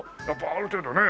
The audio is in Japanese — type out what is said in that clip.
ある程度ね